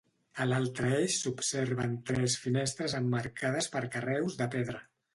A l'altre eix s'observen tres finestres emmarcades per carreus de pedra.